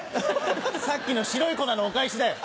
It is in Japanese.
さっきの白い粉のお返しだよ。